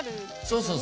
そうそう。